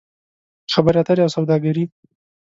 خبرې اترې او سوداګري